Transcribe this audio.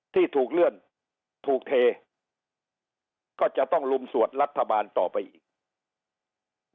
ที่ถูกเลื่อนถูกเทก็จะต้องลุมสวดรัฐบาลต่อไปอีก